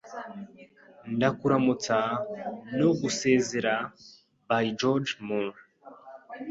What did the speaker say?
Ndakuramutsa no gusezera by George Moore